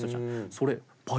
それ。